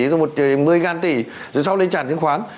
rồi một tỷ rồi sau lên sản chứng khoán